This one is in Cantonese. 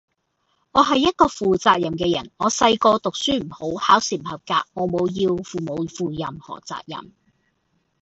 我系一個負責任嘅人，我細個讀書唔好，考試唔合格，我冇要父母負任何責任